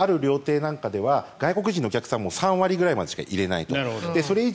京都でもある料亭なんかでは外国人のお客さんは３割くらいしか入れないと。